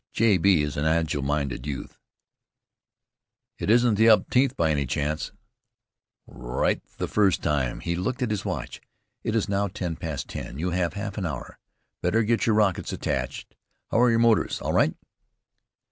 J. B. is an agile minded youth. "It isn't the umteenth by any chance?" "Right the first time." He looked at his watch. "It is now ten past ten. You have half an hour. Better get your rockets attached. How are your motors all right?"